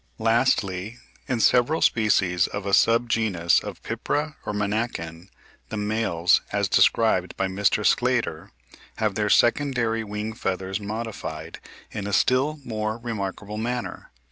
] Lastly, in several species of a sub genus of Pipra or Manakin, the males, as described by Mr. Sclater, have their SECONDARY wing feathers modified in a still more remarkable manner.